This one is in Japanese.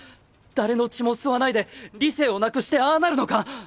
誰の血も吸わないで理性をなくしてああなるのか？